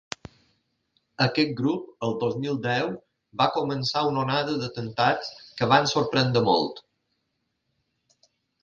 Aquest grup, el dos mil deu, va començar una onada d’atemptats que van sorprendre molt.